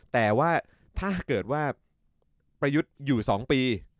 แต่ว่าถ้าเกิดว่าประยุทธ์อยู่๒ปี